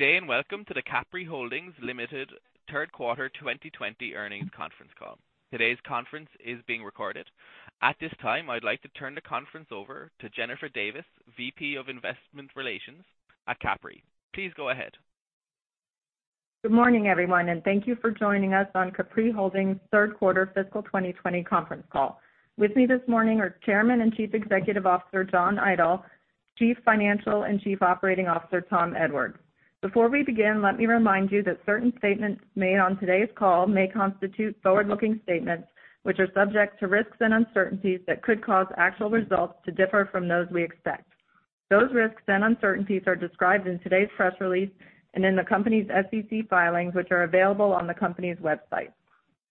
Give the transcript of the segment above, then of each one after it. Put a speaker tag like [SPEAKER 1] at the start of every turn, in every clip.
[SPEAKER 1] Good day, and welcome to the Capri Holdings Limited Third Quarter 2020 Earnings Conference Call. Today's conference is being recorded. At this time, I'd like to turn the conference over to Jennifer Davis, VP of Investor Relations at Capri. Please go ahead.
[SPEAKER 2] Good morning, everyone, and thank you for joining us on Capri Holdings' third quarter fiscal 2020 conference call. With me this morning are Chairman and Chief Executive Officer, John Idol, Chief Financial and Chief Operating Officer, Tom Edwards. Before we begin, let me remind you that certain statements made on today's call may constitute forward-looking statements, which are subject to risks and uncertainties that could cause actual results to differ from those we expect. Those risks and uncertainties are described in today's press release and in the company's SEC filings, which are available on the company's website.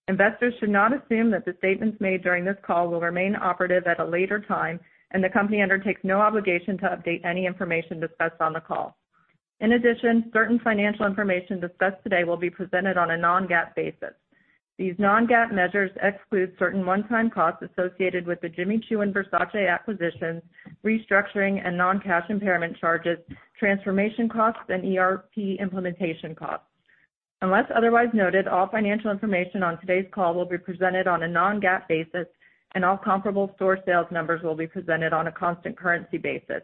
[SPEAKER 2] Investors should not assume that the statements made during this call will remain operative at a later time. The company undertakes no obligation to update any information discussed on the call. In addition, certain financial information discussed today will be presented on a non-GAAP basis. These non-GAAP measures exclude certain one-time costs associated with the Jimmy Choo and Versace acquisitions, restructuring and non-cash impairment charges, transformation costs, and ERP implementation costs. Unless otherwise noted, all financial information on today's call will be presented on a non-GAAP basis, and all comparable store sales numbers will be presented on a constant currency basis.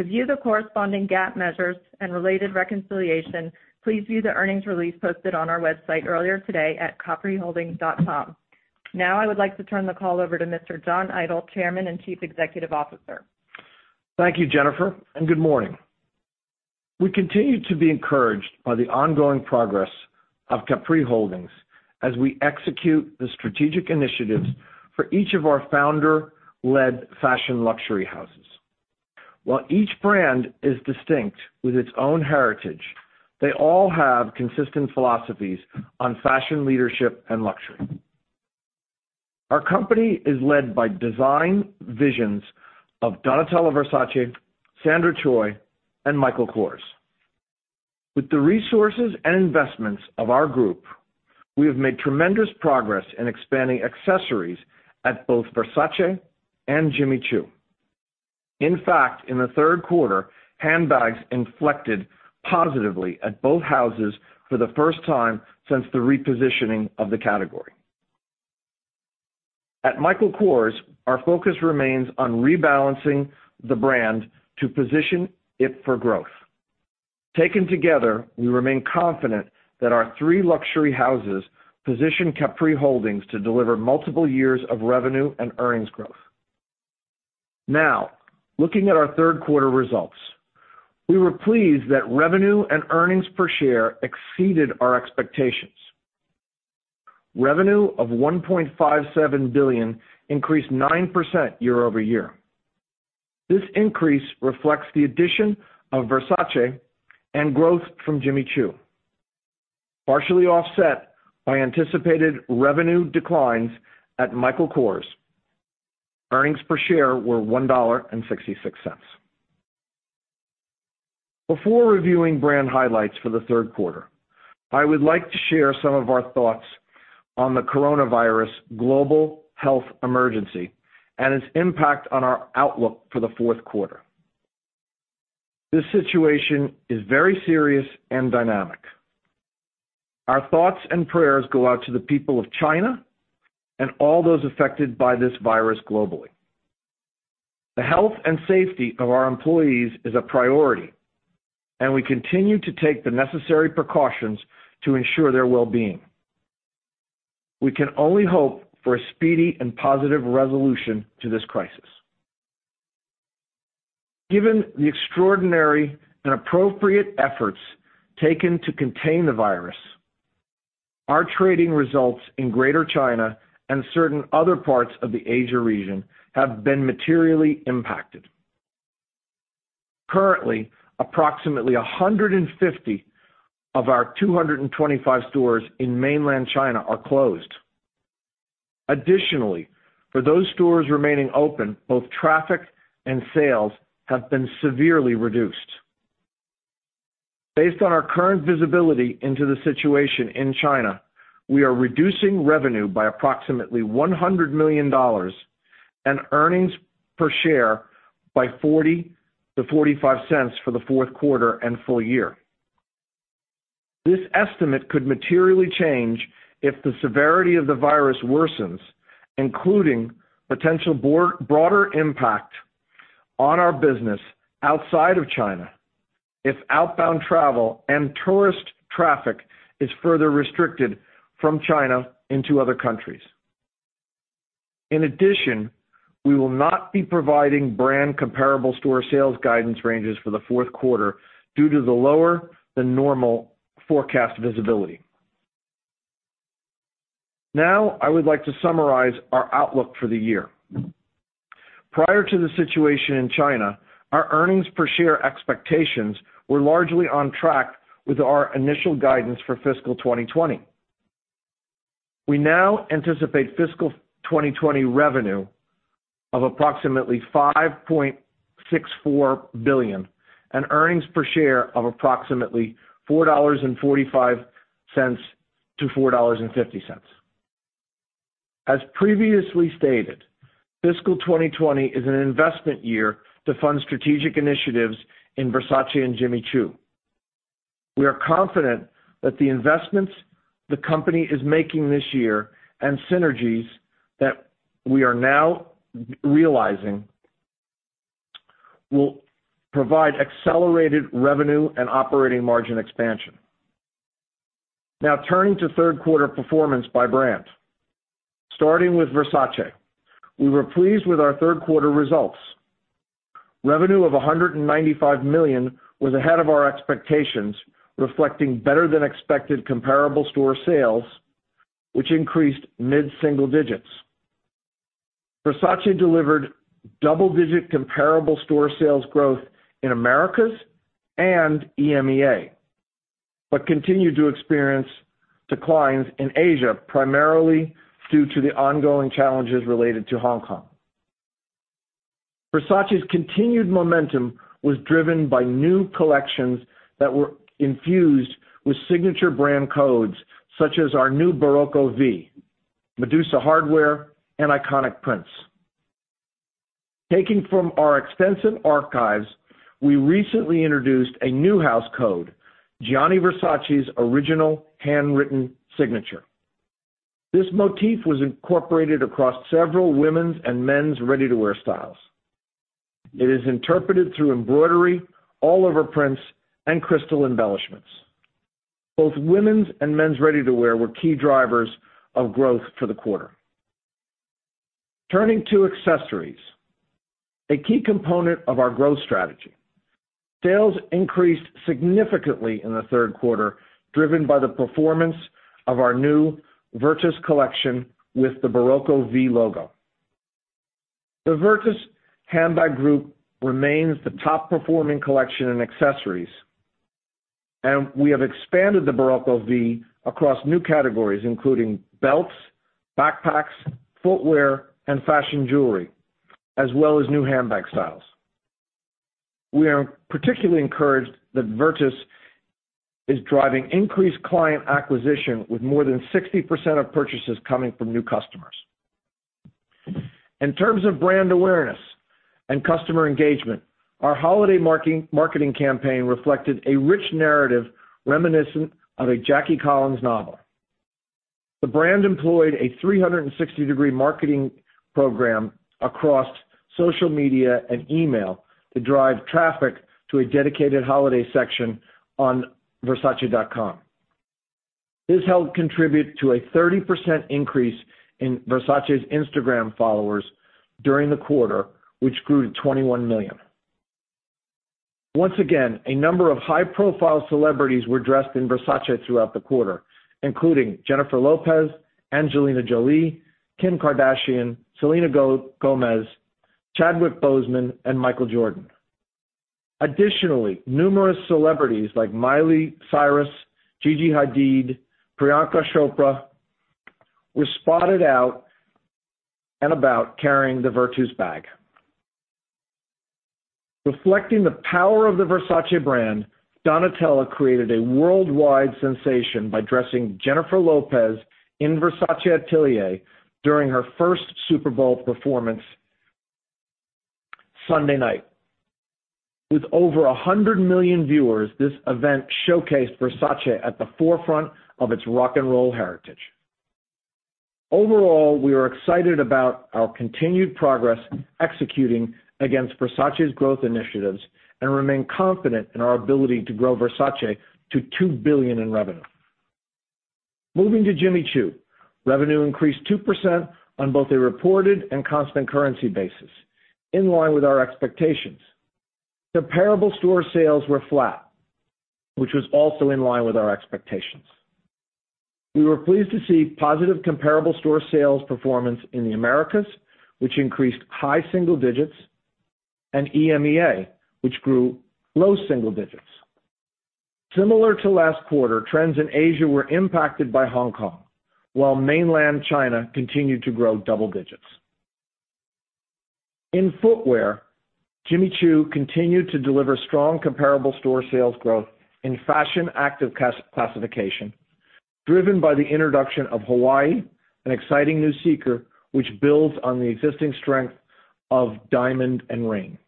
[SPEAKER 2] To view the corresponding GAAP measures and related reconciliation, please view the earnings release posted on our website earlier today at capriholdings.com. Now I would like to turn the call over to Mr. John Idol, Chairman and Chief Executive Officer.
[SPEAKER 3] Thank you, Jennifer. Good morning. We continue to be encouraged by the ongoing progress of Capri Holdings as we execute the strategic initiatives for each of our founder-led fashion luxury houses. While each brand is distinct with its own heritage, they all have consistent philosophies on fashion leadership and luxury. Our company is led by design visions of Donatella Versace, Sandra Choi, and Michael Kors. With the resources and investments of our group, we have made tremendous progress in expanding accessories at both Versace and Jimmy Choo. In fact, in the third quarter, handbags inflected positively at both houses for the first time since the repositioning of the category. At Michael Kors, our focus remains on rebalancing the brand to position it for growth. Taken together, we remain confident that our three luxury houses position Capri Holdings to deliver multiple years of revenue and earnings growth. Now, looking at our third quarter results. We were pleased that revenue and earnings per share exceeded our expectations. Revenue of $1.57 billion increased 9% year-over-year. This increase reflects the addition of Versace and growth from Jimmy Choo, partially offset by anticipated revenue declines at Michael Kors. Earnings per share were $1.66. Before reviewing brand highlights for the third quarter, I would like to share some of our thoughts on the coronavirus global health emergency and its impact on our outlook for the fourth quarter. This situation is very serious and dynamic. Our thoughts and prayers go out to the people of China and all those affected by this virus globally. The health and safety of our employees is a priority, and we continue to take the necessary precautions to ensure their well-being. We can only hope for a speedy and positive resolution to this crisis. Given the extraordinary and appropriate efforts taken to contain the virus, our trading results in Greater China and certain other parts of the Asia region have been materially impacted. Currently, approximately 150 of our 225 stores in mainland China are closed. For those stores remaining open, both traffic and sales have been severely reduced. Based on our current visibility into the situation in China, we are reducing revenue by approximately $100 million, and earnings per share by $0.40-$0.45 for the fourth quarter and full year. This estimate could materially change if the severity of the virus worsens, including potential broader impact on our business outside of China if outbound travel and tourist traffic is further restricted from China into other countries. We will not be providing brand comparable store sales guidance ranges for the fourth quarter due to the lower than normal forecast visibility. Now I would like to summarize our outlook for the year. Prior to the situation in China, our earnings per share expectations were largely on track with our initial guidance for fiscal 2020. We now anticipate fiscal 2020 revenue of approximately $5.64 billion and earnings per share of approximately $4.45 to $4.50. As previously stated, fiscal 2020 is an investment year to fund strategic initiatives in Versace and Jimmy Choo. We are confident that the investments the company is making this year, and synergies that we are now realizing, will provide accelerated revenue and operating margin expansion. Now turning to third quarter performance by brand. Starting with Versace, we were pleased with our third quarter results. Revenue of $195 million was ahead of our expectations, reflecting better than expected comparable store sales, which increased mid-single digits. Versace delivered double-digit comparable store sales growth in Americas and EMEA, but continued to experience declines in Asia, primarily due to the ongoing challenges related to Hong Kong. Versace's continued momentum was driven by new collections that were infused with signature brand codes, such as our new Barocco V, Medusa hardware, and iconic prints. Taking from our extensive archives, we recently introduced a new house code, Gianni Versace's original handwritten signature. This motif was incorporated across several women's and men's ready-to-wear styles. It is interpreted through embroidery, all-over prints, and crystal embellishments. Both women's and men's ready-to-wear were key drivers of growth for the quarter. Turning to accessories, a key component of our growth strategy. Sales increased significantly in the third quarter, driven by the performance of our new Virtus collection with the Barocco V logo. The Virtus handbag group remains the top-performing collection in accessories. We have expanded the Barocco V across new categories, including belts, backpacks, footwear, and fashion jewelry, as well as new handbag styles. We are particularly encouraged that Virtus is driving increased client acquisition, with more than 60% of purchases coming from new customers. In terms of brand awareness and customer engagement, our holiday marketing campaign reflected a rich narrative reminiscent of a Jackie Collins novel. The brand employed a 360-degree marketing program across social media and email to drive traffic to a dedicated holiday section on versace.com. This helped contribute to a 30% increase in Versace's Instagram followers during the quarter, which grew to 21 million. Once again, a number of high-profile celebrities were dressed in Versace throughout the quarter, including Jennifer Lopez, Angelina Jolie, Kim Kardashian, Selena Gomez, Chadwick Boseman, and Michael Jordan. Numerous celebrities like Miley Cyrus, Gigi Hadid, Priyanka Chopra were spotted out and about carrying the Virtus bag. Reflecting the power of the Versace brand, Donatella created a worldwide sensation by dressing Jennifer Lopez in Versace Atelier during her first Super Bowl performance Sunday night. With over 100 million viewers, this event showcased Versace at the forefront of its rock and roll heritage. We are excited about our continued progress executing against Versace's growth initiatives, and remain confident in our ability to grow Versace to $2 billion in revenue. Moving to Jimmy Choo. Revenue increased 2% on both a reported and constant currency basis, in line with our expectations. Comparable store sales were flat, which was also in line with our expectations. We were pleased to see positive comparable store sales performance in the Americas, which increased high single digits, and EMEA, which grew low single digits. Similar to last quarter, trends in Asia were impacted by Hong Kong, while mainland China continued to grow double digits. In footwear, Jimmy Choo continued to deliver strong comparable store sales growth in fashion active classification, driven by the introduction of Hawaii, an exciting new sneaker, which builds on the existing strength of Diamond and Rain.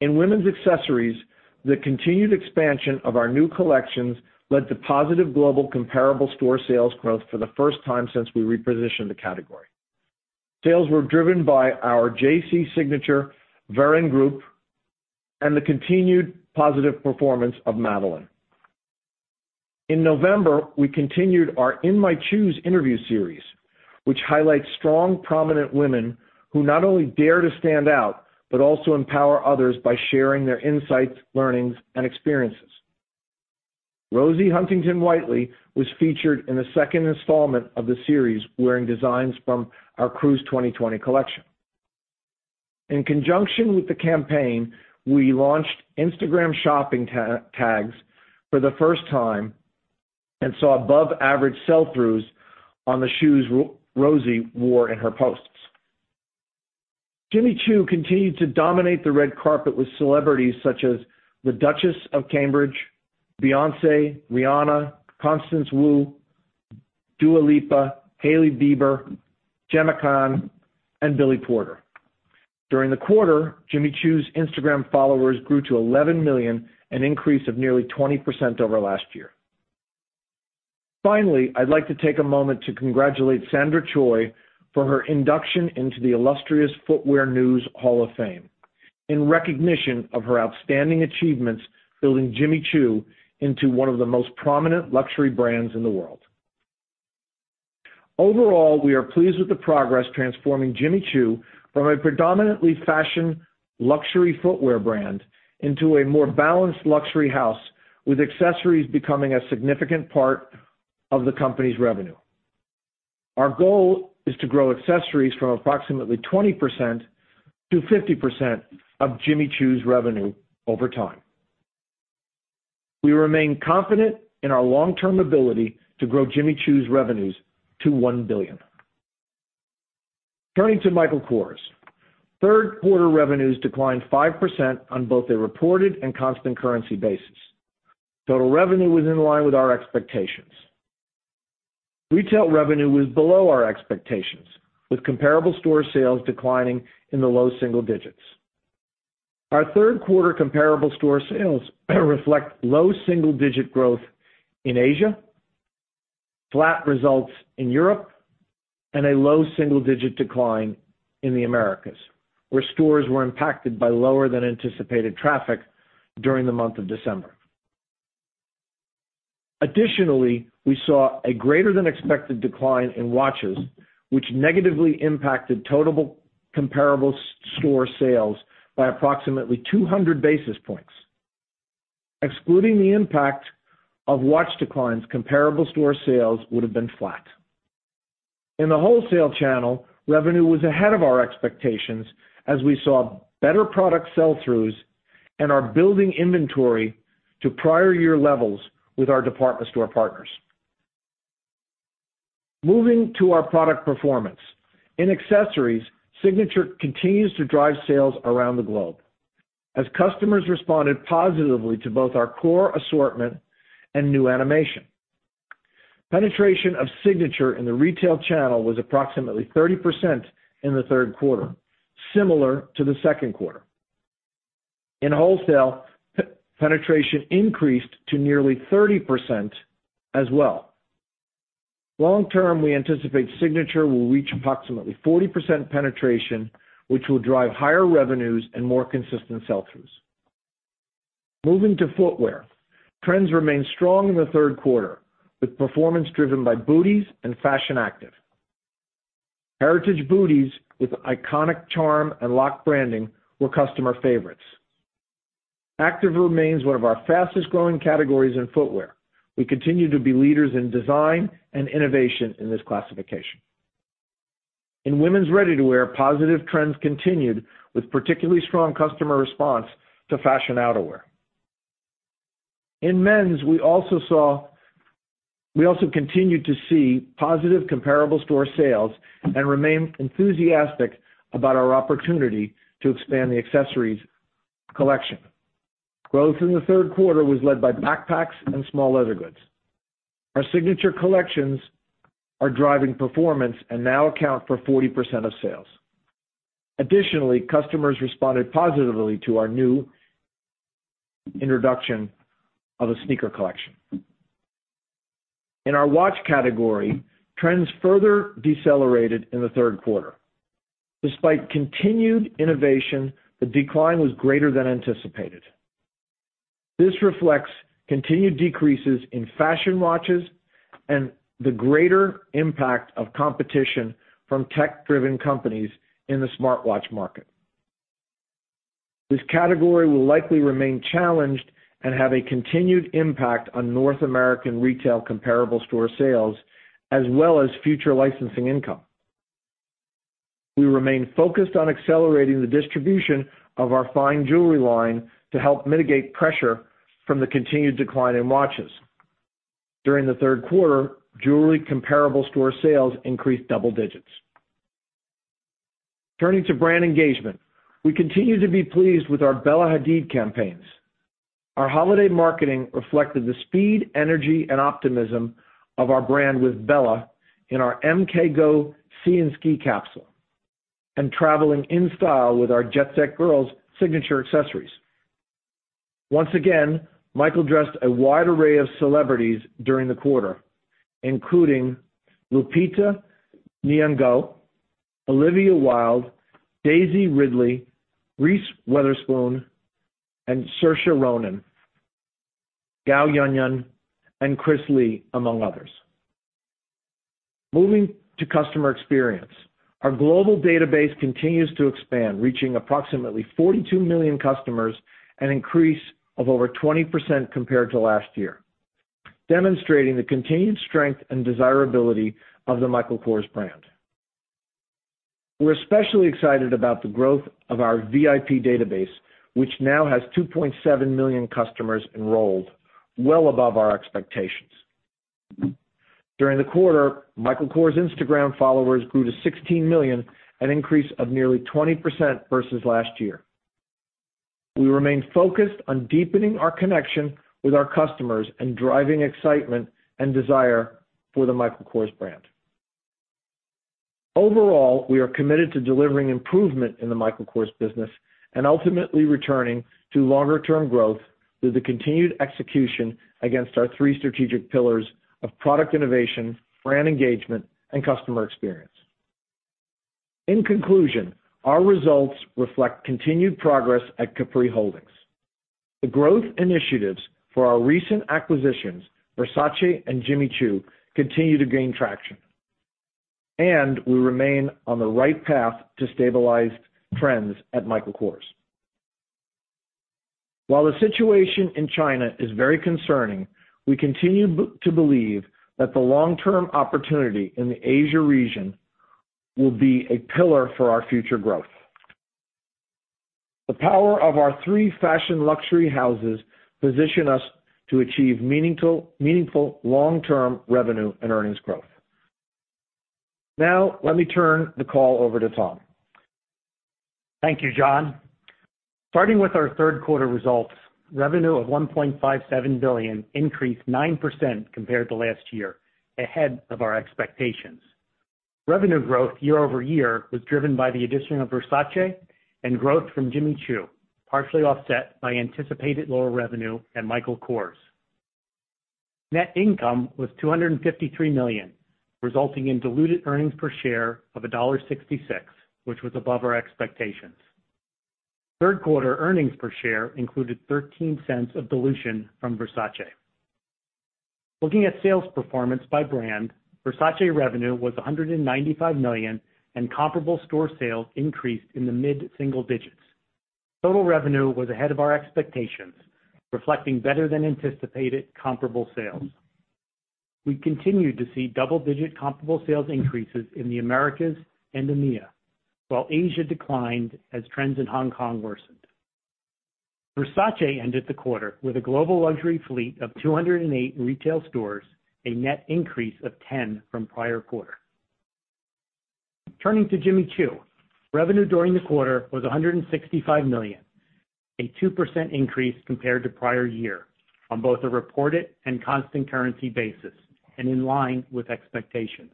[SPEAKER 3] In women's accessories, the continued expansion of our new collections led to positive global comparable store sales growth for the first time since we repositioned the category. Sales were driven by our JC signature, Varenne group, and the continued positive performance of Madeline. In November, we continued our In My Choos interview series, which highlights strong, prominent women who not only dare to stand out, but also empower others by sharing their insights, learnings, and experiences. Rosie Huntington-Whiteley was featured in the second installment of the series, wearing designs from our Cruise 2020 collection. In conjunction with the campaign, we launched Instagram shopping tags for the first time, and saw above average sell-throughs on the shoes Rosie wore in her posts. Jimmy Choo continued to dominate the red carpet with celebrities such as the Duchess of Cambridge, Beyoncé, Rihanna, Constance Wu, Dua Lipa, Hailey Bieber, Gemma Chan, and Billy Porter. During the quarter, Jimmy Choo's Instagram followers grew to 11 million, an increase of nearly 20% over last year. Finally, I'd like to take a moment to congratulate Sandra Choi for her induction into the illustrious Footwear News Hall of Fame, in recognition of her outstanding achievements building Jimmy Choo into one of the most prominent luxury brands in the world. Overall, we are pleased with the progress transforming Jimmy Choo from a predominantly fashion luxury footwear brand into a more balanced luxury house, with accessories becoming a significant part of the company's revenue. Our goal is to grow accessories from approximately 20% to 50% of Jimmy Choo's revenue over time. We remain confident in our long-term ability to grow Jimmy Choo's revenues to $1 billion. Turning to Michael Kors. Third quarter revenues declined 5% on both a reported and constant currency basis. Total revenue was in line with our expectations. Retail revenue was below our expectations, with comparable store sales declining in the low single digits. Our third quarter comparable store sales reflect low single-digit growth in Asia, flat results in Europe, and a low single-digit decline in the Americas, where stores were impacted by lower than anticipated traffic during the month of December. Additionally, we saw a greater than expected decline in watches, which negatively impacted total comparable store sales by approximately 200 basis points. Excluding the impact of watch declines, comparable store sales would've been flat. In the wholesale channel, revenue was ahead of our expectations as we saw better product sell-throughs and are building inventory to prior year levels with our department store partners. Moving to our product performance. In accessories, Signature continues to drive sales around the globe as customers responded positively to both our core assortment and new animation. Penetration of Signature in the retail channel was approximately 30% in the third quarter, similar to the second quarter. In wholesale, penetration increased to nearly 30% as well. Long term, we anticipate Signature will reach approximately 40% penetration, which will drive higher revenues and more consistent sell-throughs. Moving to footwear. Trends remained strong in the third quarter, with performance driven by booties and fashion active. Heritage booties with iconic charm and lock branding were customer favorites. Active remains one of our fastest-growing categories in footwear. We continue to be leaders in design and innovation in this classification. In women's ready-to-wear, positive trends continued with particularly strong customer response to fashion outerwear. In men's, we also continued to see positive comparable store sales and remain enthusiastic about our opportunity to expand the accessories collection. Growth in the third quarter was led by backpacks and small leather goods. Our Signature collections are driving performance and now account for 40% of sales. Additionally, customers responded positively to our new introduction of a sneaker collection. In our watch category, trends further decelerated in the third quarter. Despite continued innovation, the decline was greater than anticipated. This reflects continued decreases in fashion watches and the greater impact of competition from tech-driven companies in the smartwatch market. This category will likely remain challenged and have a continued impact on North American retail comparable store sales, as well as future licensing income. We remain focused on accelerating the distribution of our fine jewelry line to help mitigate pressure from the continued decline in watches. During the third quarter, jewelry comparable store sales increased double digits. Turning to brand engagement. We continue to be pleased with our Bella Hadid campaigns. Our holiday marketing reflected the speed, energy, and optimism of our brand with Bella in our MKGO Sea & Ski capsule, and traveling in style with our Jet Set girls Signature accessories. Once again, Michael dressed a wide array of celebrities during the quarter, including Lupita Nyong'o, Olivia Wilde, Daisy Ridley, Reese Witherspoon, and Saoirse Ronan, Gao Yuanyuan, and Chris Lee, among others. Moving to customer experience. Our global database continues to expand, reaching approximately 42 million customers, an increase of over 20% compared to last year, demonstrating the continued strength and desirability of the Michael Kors brand. We're especially excited about the growth of our VIP database, which now has 2.7 million customers enrolled, well above our expectations. During the quarter, Michael Kors' Instagram followers grew to 16 million, an increase of nearly 20% versus last year. We remain focused on deepening our connection with our customers and driving excitement and desire for the Michael Kors brand. Overall, we are committed to delivering improvement in the Michael Kors business and ultimately returning to longer-term growth through the continued execution against our three strategic pillars of product innovation, brand engagement, and customer experience. In conclusion, our results reflect continued progress at Capri Holdings. The growth initiatives for our recent acquisitions, Versace and Jimmy Choo, continue to gain traction, and we remain on the right path to stabilize trends at Michael Kors. While the situation in China is very concerning, we continue to believe that the long-term opportunity in the Asia region will be a pillar for our future growth. The power of our three fashion luxury houses position us to achieve meaningful long-term revenue and earnings growth. Now, let me turn the call over to Tom.
[SPEAKER 4] Thank you, John. Starting with our third quarter results, revenue of $1.57 billion increased 9% compared to last year, ahead of our expectations. Revenue growth year-over-year was driven by the addition of Versace and growth from Jimmy Choo, partially offset by anticipated lower revenue at Michael Kors. Net income was $253 million, resulting in diluted earnings per share of $1.66, which was above our expectations. Third quarter earnings per share included $0.13 of dilution from Versace. Looking at sales performance by brand, Versace revenue was $195 million, and comparable store sales increased in the mid-single digits. Total revenue was ahead of our expectations, reflecting better than anticipated comparable sales. We continued to see double-digit comparable sales increases in the Americas and EMEA, while Asia declined as trends in Hong Kong worsened. Versace ended the quarter with a global luxury fleet of 208 retail stores, a net increase of 10 from prior quarter. Turning to Jimmy Choo. Revenue during the quarter was $165 million, a 2% increase compared to prior year on both a reported and constant currency basis and in line with expectations.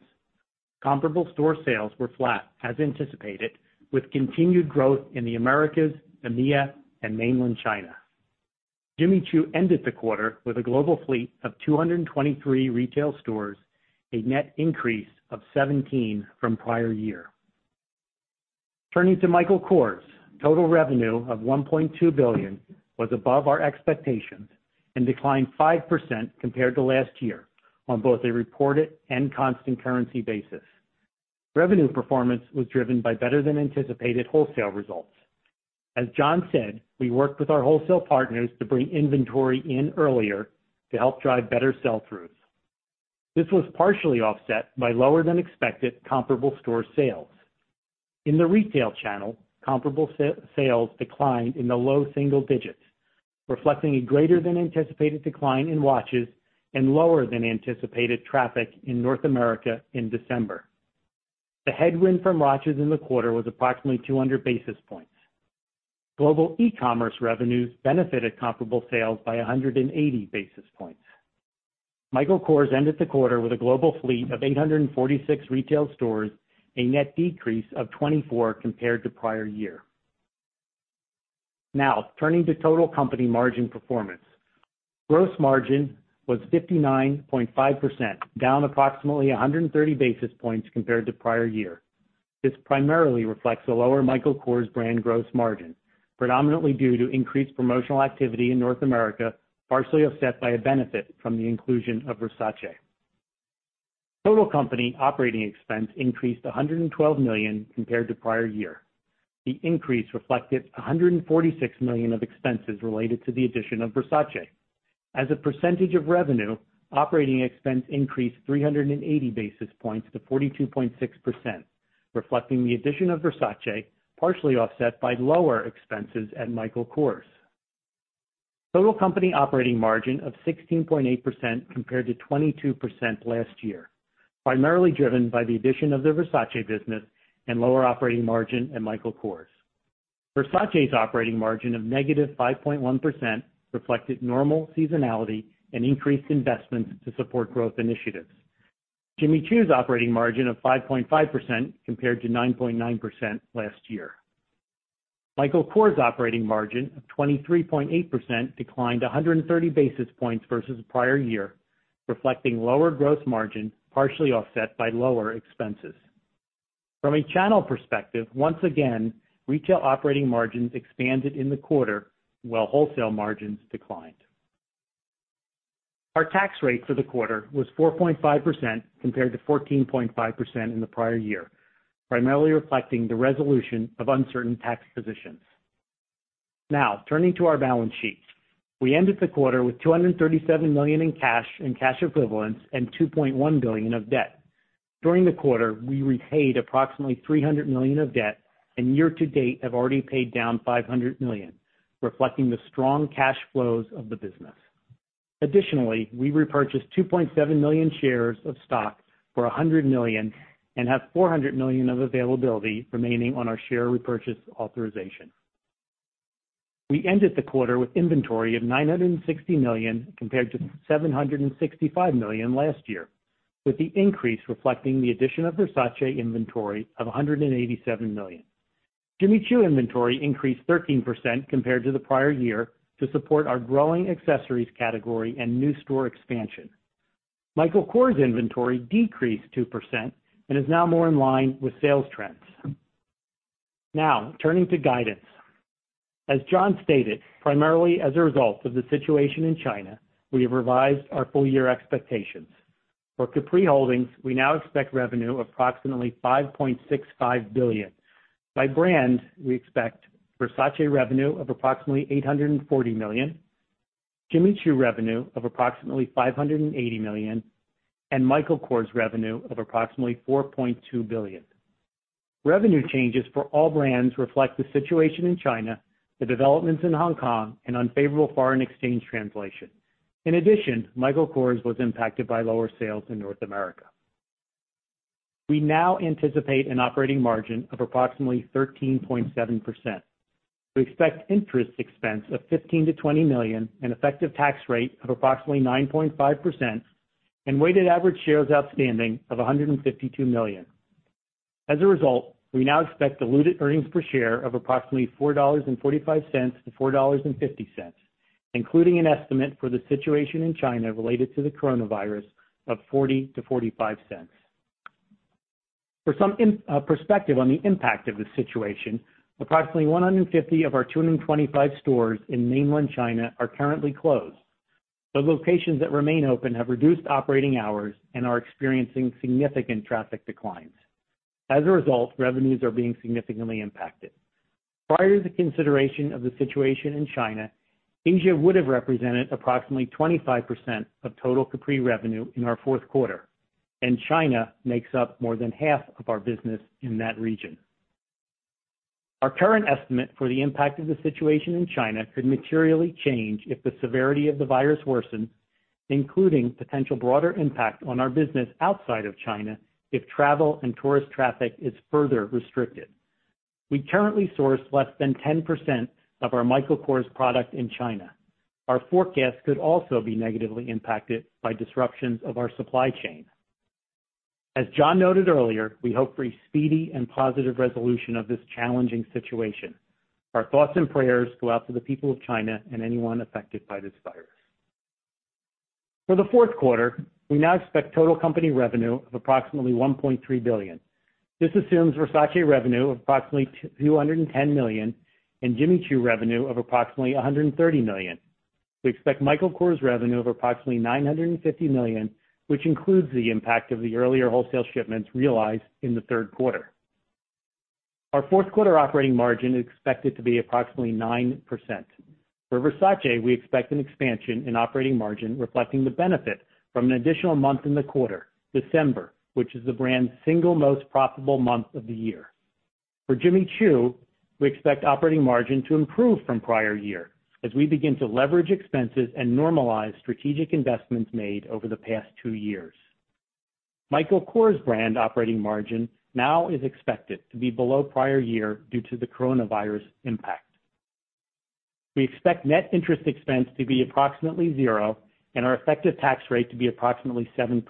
[SPEAKER 4] Comparable store sales were flat as anticipated, with continued growth in the Americas, EMEA, and Mainland China. Jimmy Choo ended the quarter with a global fleet of 223 retail stores, a net increase of 17 from prior year. Turning to Michael Kors. Total revenue of $1.2 billion was above our expectations and declined 5% compared to last year on both a reported and constant currency basis. Revenue performance was driven by better than anticipated wholesale results. As John said, we worked with our wholesale partners to bring inventory in earlier to help drive better sell-throughs. This was partially offset by lower than expected comparable store sales. In the retail channel, comparable sales declined in the low single digits, reflecting a greater than anticipated decline in watches and lower than anticipated traffic in North America in December. The headwind from watches in the quarter was approximately 200 basis points. Global e-commerce revenues benefited comparable sales by 180 basis points. Michael Kors ended the quarter with a global fleet of 846 retail stores, a net decrease of 24 compared to prior year. Turning to total company margin performance. Gross margin was 59.5%, down approximately 130 basis points compared to prior year. This primarily reflects a lower Michael Kors brand gross margin, predominantly due to increased promotional activity in North America, partially offset by a benefit from the inclusion of Versace. Total company operating expense increased to $112 million compared to prior year. The increase reflected $146 million of expenses related to the addition of Versace. As a percentage of revenue, operating expense increased 380 basis points to 42.6%, reflecting the addition of Versace, partially offset by lower expenses at Michael Kors. Total company operating margin of 16.8% compared to 22% last year, primarily driven by the addition of the Versace business and lower operating margin at Michael Kors. Versace's operating margin of -5.1% reflected normal seasonality and increased investments to support growth initiatives. Jimmy Choo's operating margin of 5.5% compared to 9.9% last year. Michael Kors' operating margin of 23.8% declined 130 basis points versus prior year, reflecting lower gross margin, partially offset by lower expenses. From a channel perspective, once again, retail operating margins expanded in the quarter while wholesale margins declined. Our tax rate for the quarter was 4.5% compared to 14.5% in the prior year, primarily reflecting the resolution of uncertain tax positions. Turning to our balance sheet. We ended the quarter with $237 million in cash and cash equivalents and $2.1 billion of debt. During the quarter, we repaid approximately $300 million of debt, and year-to-date have already paid down $500 million, reflecting the strong cash flows of the business. We repurchased 2.7 million shares of stock for $100 million and have $400 million of availability remaining on our share repurchase authorization. We ended the quarter with inventory of $960 million compared to $765 million last year, with the increase reflecting the addition of Versace inventory of $187 million. Jimmy Choo inventory increased 13% compared to the prior year to support our growing accessories category and new store expansion. Michael Kors inventory decreased 2% and is now more in line with sales trends. Turning to guidance. As John stated, primarily as a result of the situation in China, we have revised our full-year expectations. For Capri Holdings, we now expect revenue approximately $5.65 billion. By brand, we expect Versace revenue of approximately $840 million, Jimmy Choo revenue of approximately $580 million, and Michael Kors revenue of approximately $4.2 billion. Revenue changes for all brands reflect the situation in China, the developments in Hong Kong, and unfavorable foreign exchange translation. In addition, Michael Kors was impacted by lower sales in North America. We now anticipate an operating margin of approximately 13.7%. We expect interest expense of $15 million-$20 million, an effective tax rate of approximately 9.5%, and weighted average shares outstanding of 152 million. As a result, we now expect diluted earnings per share of approximately $4.45-$4.50, including an estimate for the situation in China related to the coronavirus of $0.40-$0.45. For some perspective on the impact of this situation, approximately 150 of our 225 stores in mainland China are currently closed. The locations that remain open have reduced operating hours and are experiencing significant traffic declines. Revenues are being significantly impacted. Prior to the consideration of the situation in China, Asia would have represented approximately 25% of total Capri revenue in our fourth quarter. China makes up more than half of our business in that region. Our current estimate for the impact of the situation in China could materially change if the severity of the virus worsens, including potential broader impact on our business outside of China if travel and tourist traffic is further restricted. We currently source less than 10% of our Michael Kors product in China. Our forecast could also be negatively impacted by disruptions of our supply chain. As John noted earlier, we hope for a speedy and positive resolution of this challenging situation. Our thoughts and prayers go out to the people of China and anyone affected by this virus. For the fourth quarter, we now expect total company revenue of approximately $1.3 billion. This assumes Versace revenue of approximately $210 million and Jimmy Choo revenue of approximately $130 million. We expect Michael Kors revenue of approximately $950 million, which includes the impact of the earlier wholesale shipments realized in the third quarter. Our fourth quarter operating margin is expected to be approximately 9%. For Versace, we expect an expansion in operating margin reflecting the benefit from an additional month in the quarter, December, which is the brand's single most profitable month of the year. For Jimmy Choo, we expect operating margin to improve from prior year as we begin to leverage expenses and normalize strategic investments made over the past two years. Michael Kors brand operating margin now is expected to be below prior year due to the coronavirus impact. We expect net interest expense to be approximately zero and our effective tax rate to be approximately 7%.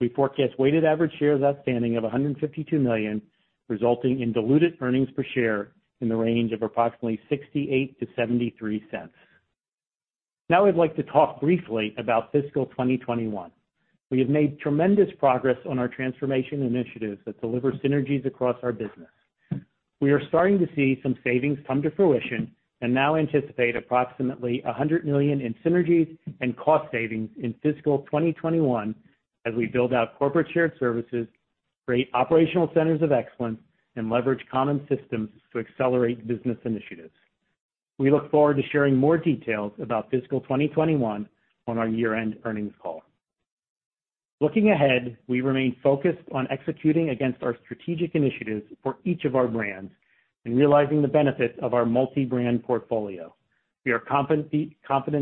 [SPEAKER 4] We forecast weighted average shares outstanding of 152 million, resulting in diluted earnings per share in the range of approximately $0.68-$0.73. Now I'd like to talk briefly about fiscal 2021. We have made tremendous progress on our transformation initiatives that deliver synergies across our business. We are starting to see some savings come to fruition and now anticipate approximately $100 million in synergies and cost savings in fiscal 2021 as we build out corporate shared services, create operational centers of excellence, and leverage common systems to accelerate business initiatives. We look forward to sharing more details about fiscal 2021 on our year-end earnings call. Looking ahead, we remain focused on executing against our strategic initiatives for each of our brands and realizing the benefits of our multi-brand portfolio. We are confident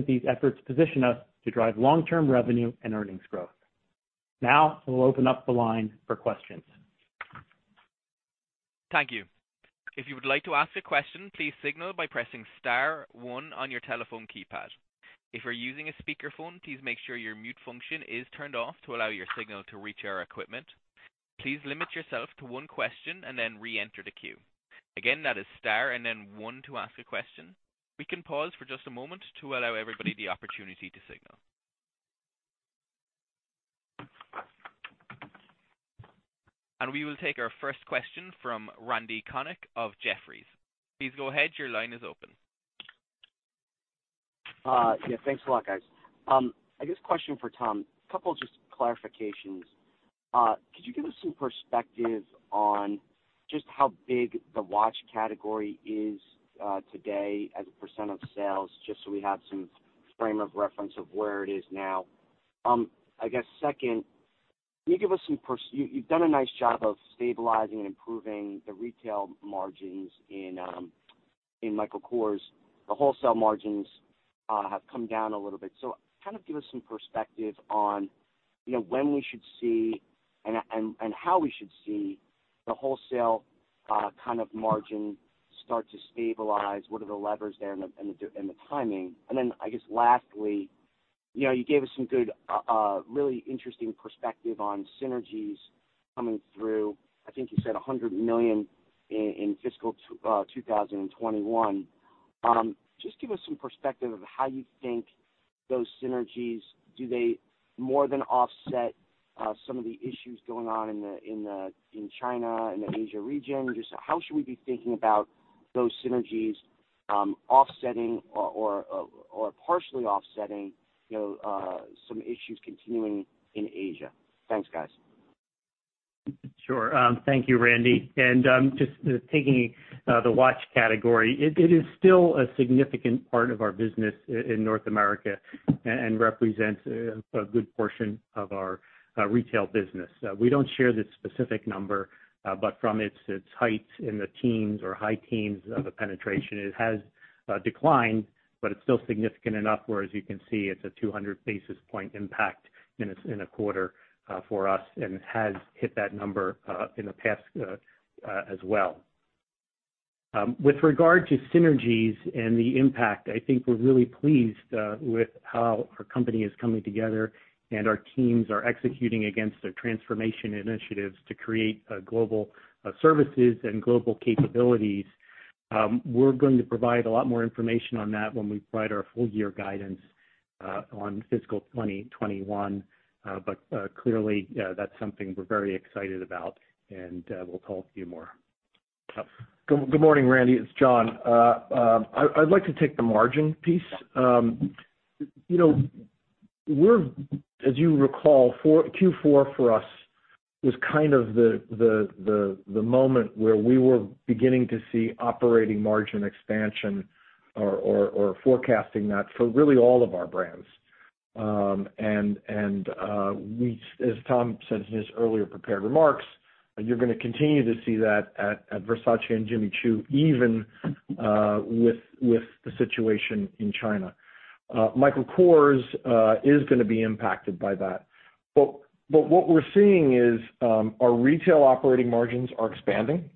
[SPEAKER 4] these efforts position us to drive long-term revenue and earnings growth. Now, we'll open up the line for questions.
[SPEAKER 1] Thank you. If you would like to ask a question, please signal by pressing star one on your telephone keypad. If you're using a speakerphone, please make sure your mute function is turned off to allow your signal to reach our equipment. Please limit yourself to one question and then reenter the queue. Again, that is star and then one to ask a question. We can pause for just a moment to allow everybody the opportunity to signal. We will take our first question from Randy Konik of Jefferies. Please go ahead, your line is open.
[SPEAKER 5] Yeah, thanks a lot, guys. I guess question for Tom. Couple just clarifications. Could you give us some perspective on just how big the watch category is today as a percent of sales, just so we have some frame of reference of where it is now. I guess second, can you give us some perspective. You've done a nice job of stabilizing and improving the retail margins in Michael Kors. The wholesale margins have come down a little bit. Give us some perspective on when we should see and how we should see the wholesale margin start to stabilize. What are the levers there and the timing? I guess lastly, you gave us some good, really interesting perspective on synergies coming through. I think you said $100 million in fiscal 2021. Just give us some perspective of how you think those synergies, do they more than offset some of the issues going on in China and the Asia region? Just how should we be thinking about those synergies offsetting or partially offsetting some issues continuing in Asia? Thanks, guys.
[SPEAKER 4] Sure. Thank you, Randy. Just taking the watch category, it is still a significant part of our business in North America and represents a good portion of our retail business. We don't share the specific number, but from its height in the teens or high teens of a penetration, it has declined, but it's still significant enough where as you can see, it's a 200 basis point impact in a quarter for us and has hit that number in the past as well. With regard to synergies and the impact, I think we're really pleased with how our company is coming together and our teams are executing against their transformation initiatives to create global services and global capabilities. We're going to provide a lot more information on that when we provide our full-year guidance on fiscal 2021. Clearly, that's something we're very excited about, and we'll tell you more.
[SPEAKER 3] Good morning, Randy. It's John. I'd like to take the margin piece. As you recall, Q4 for us was the moment where we were beginning to see operating margin expansion or forecasting that for really all of our brands. As Tom said in his earlier prepared remarks, you're going to continue to see that at Versace and Jimmy Choo, even with the situation in China. Michael Kors is going to be impacted by that. What we're seeing is our retail operating margins are expanding,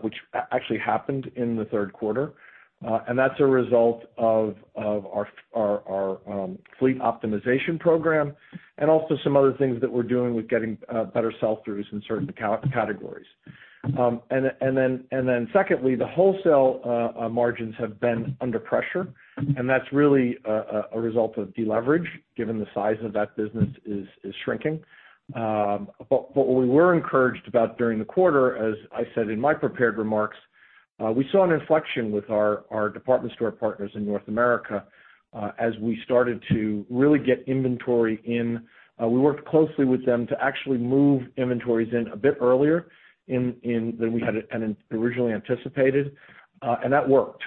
[SPEAKER 3] which actually happened in the third quarter. That's a result of our Fleet Optimization Program and also some other things that we're doing with getting better sell-throughs in certain categories. Secondly, the wholesale margins have been under pressure, and that's really a result of deleverage, given the size of that business is shrinking. What we were encouraged about during the quarter, as I said in my prepared remarks, we saw an inflection with our department store partners in North America as we started to really get inventory in. We worked closely with them to actually move inventories in a bit earlier than we had originally anticipated. That worked.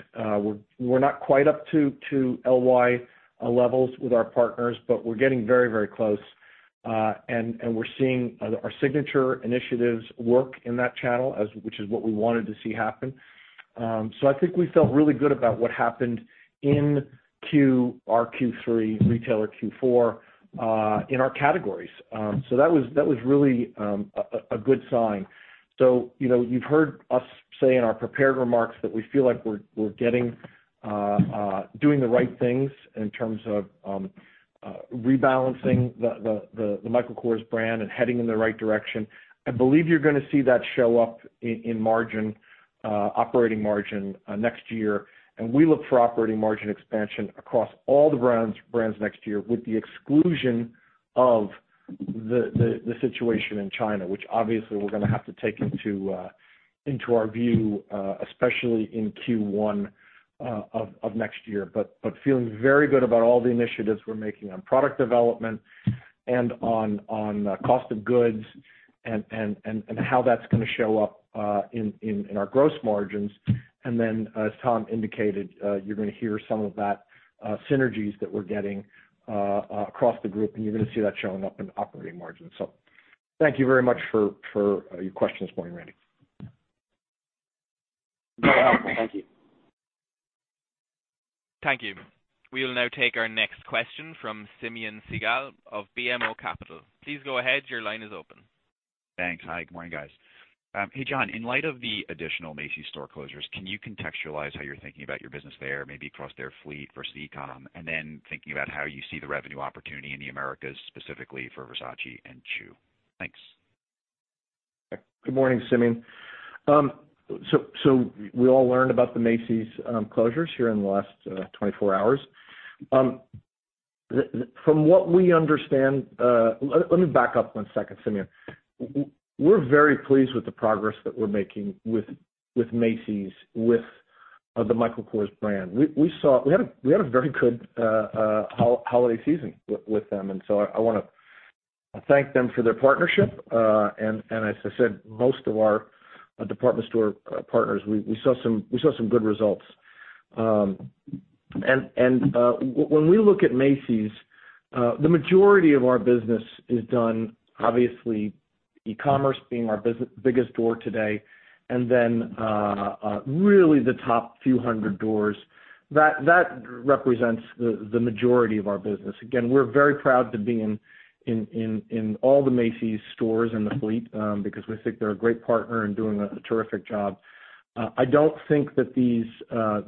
[SPEAKER 3] We're not quite up to LY levels with our partners, but we're getting very close. We're seeing our Signature initiatives work in that channel, which is what we wanted to see happen. I think we felt really good about what happened in our Q3, retailer Q4, in our categories. That was really a good sign. You've heard us say in our prepared remarks that we feel like we're doing the right things in terms of rebalancing the Michael Kors brand and heading in the right direction. I believe you're going to see that show up in operating margin next year. We look for operating margin expansion across all the brands next year, with the exclusion of the situation in China, which obviously we're going to have to take into our view, especially in Q1 of next year. Feeling very good about all the initiatives we're making on product development and on cost of goods and how that's going to show up in our gross margins. As Tom indicated, you're going to hear some of that synergies that we're getting across the group, and you're going to see that showing up in operating margins. Thank you very much for your question this morning, Randy.
[SPEAKER 5] Very helpful. Thank you.
[SPEAKER 1] Thank you. We will now take our next question from Simeon Siegel of BMO Capital. Please go ahead. Your line is open.
[SPEAKER 6] Thanks. Hi. Good morning, guys. Hey, John, in light of the additional Macy's store closures, can you contextualize how you're thinking about your business there, maybe across their fleet versus e-com? Thinking about how you see the revenue opportunity in the Americas, specifically for Versace and Choo. Thanks.
[SPEAKER 3] Good morning, Simeon. We all learned about the Macy's closures here in the last 24 hours. Let me back up one second, Simeon. We're very pleased with the progress that we're making with Macy's with the Michael Kors brand. We had a very good holiday season with them. I want to thank them for their partnership. As I said, most of our department store partners, we saw some good results. When we look at Macy's, the majority of our business is done, obviously, e-commerce being our biggest door today, then really the top few hundred doors. That represents the majority of our business. Again, we're very proud to be in all the Macy's stores in the fleet, because we think they're a great partner and doing a terrific job. I don't think that these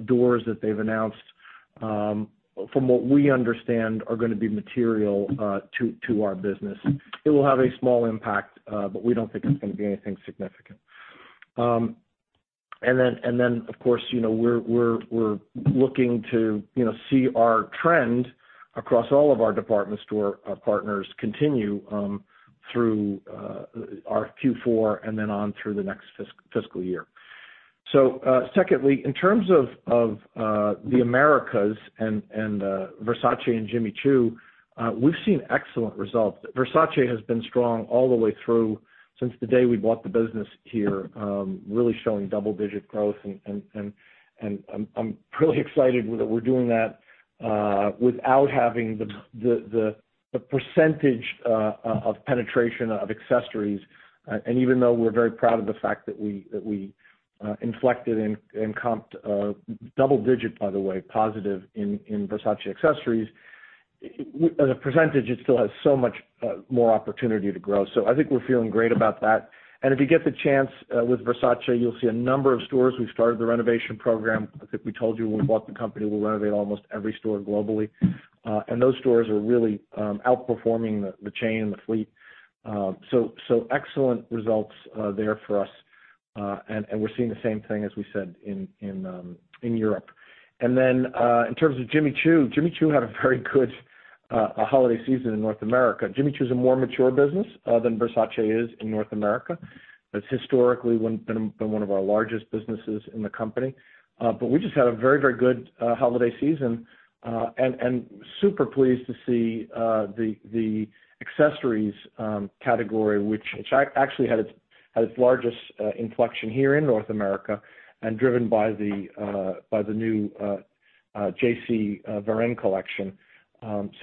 [SPEAKER 3] doors that they've announced, from what we understand, are going to be material to our business. It will have a small impact, but we don't think it's going to be anything significant. Of course, we're looking to see our trend across all of our department store partners continue through our Q4 and then on through the next fiscal year. Secondly, in terms of the Americas and Versace and Jimmy Choo, we've seen excellent results. Versace has been strong all the way through since the day we bought the business here, really showing double-digit growth, and I'm really excited that we're doing that without having the percentage of penetration of accessories. Even though we're very proud of the fact that we inflected and comped double digits, by the way, positive in Versace accessories. As a percentage, it still has so much more opportunity to grow. I think we're feeling great about that. If you get the chance with Versace, you'll see a number of stores. We've started the renovation program. I think we told you when we bought the company, we'll renovate almost every store globally. Those stores are really outperforming the chain and the fleet. Excellent results there for us. We're seeing the same thing, as we said, in Europe. In terms of Jimmy Choo, Jimmy Choo had a very good holiday season in North America. Jimmy Choo is a more mature business than Versace is in North America. It's historically been one of our largest businesses in the company. We just had a very good holiday season, super pleased to see the accessories category, which actually had its largest inflection here in North America driven by the new JC Varenne collection.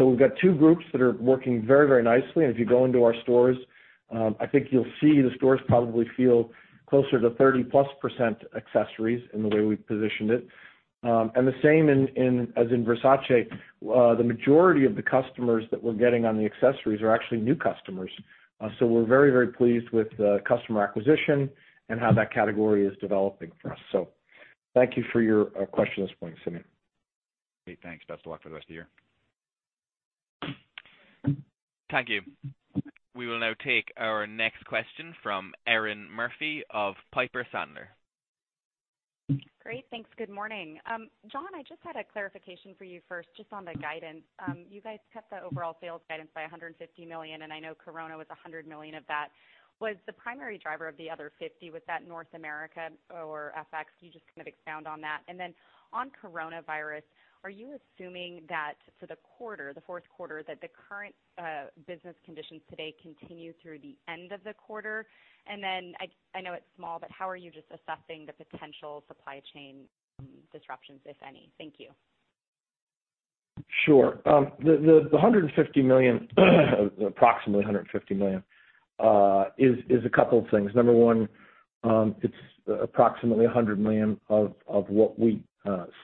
[SPEAKER 3] We've got two groups that are working very nicely. If you go into our stores, I think you'll see the stores probably feel closer to 30-plus percent accessories in the way we positioned it. The same as in Versace, the majority of the customers that we're getting on the accessories are actually new customers. We're very pleased with the customer acquisition and how that category is developing for us. Thank you for your question this morning, Simeon.
[SPEAKER 6] Great. Thanks. Best of luck for the rest of the year.
[SPEAKER 1] Thank you. We will now take our next question from Erinn Murphy of Piper Sandler.
[SPEAKER 7] Great. Thanks. Good morning. John, I just had a clarification for you first, just on the guidance. You guys cut the overall sales guidance by $150 million, and I know coronavirus was $100 million of that. Was the primary driver of the other $50 million, was that North America or FX? Can you just expound on that? On coronavirus, are you assuming that for the quarter, the fourth quarter, that the current business conditions today continue through the end of the quarter? I know it's small, but how are you just assessing the potential supply chain disruptions, if any? Thank you.
[SPEAKER 3] Sure. The $150 million, approximately $150 million, is a couple of things. Number one, it's approximately $100 million of what we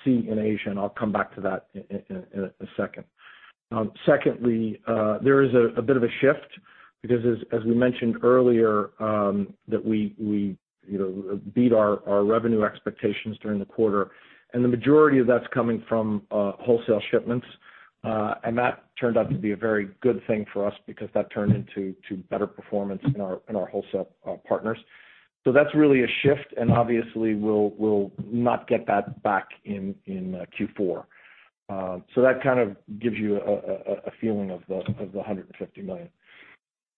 [SPEAKER 3] see in Asia. I'll come back to that in a second. Secondly, there is a bit of a shift because as we mentioned earlier, that we beat our revenue expectations during the quarter. The majority of that's coming from wholesale shipments. That turned out to be a very good thing for us because that turned into better performance in our wholesale partners. That's really a shift, and obviously, we'll not get that back in Q4. That kind of gives you a feeling of the $150 million.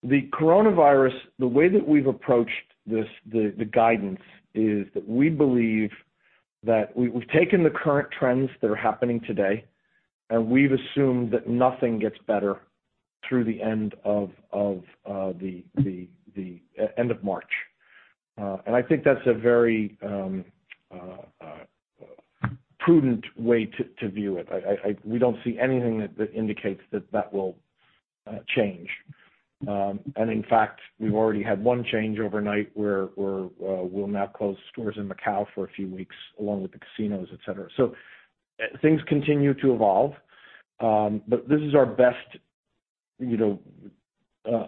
[SPEAKER 3] The coronavirus, the way that we've approached the guidance is that we believe that we've taken the current trends that are happening today. We've assumed that nothing gets better through the end of March. I think that's a very prudent way to view it. We don't see anything that indicates that that will change. In fact, we've already had one change overnight where we'll now close stores in Macau for a few weeks along with the casinos, et cetera. Things continue to evolve. This is our best